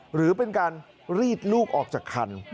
หรือเป็นการรีดลูกออกจากคัน